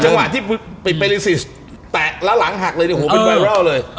จังหวะที่ไปรีซิสแตะแล้วหลังหักเลยเนี่ยโหเป็นไวรอลเลย